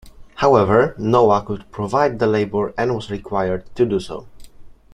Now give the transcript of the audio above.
However, Noah could provide the labor and was required to do so.